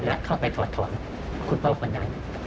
และเข้าไปถอดถอนคุณพ่อคนนั้น